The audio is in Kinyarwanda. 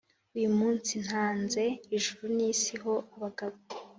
uyu munsi ntanze ijuru n’isi ho abagabo